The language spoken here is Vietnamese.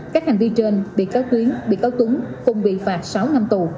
các hành vi trên bị cáo tuyến bị cáo tuấn cùng bị phạt sáu năm tù